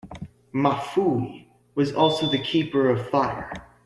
Mafui'e was also the keeper of fire.